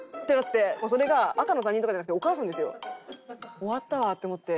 終わったわって思って。